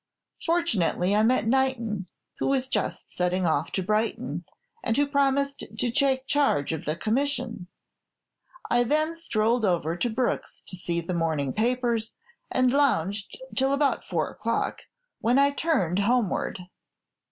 Fortunately, I met Knighton, who was just setting off to Brighton, and who promised to take charge of the commission. I then strolled over to Brookes's to see the morning papers, and lounged till about four o'clock, when I turned homeward.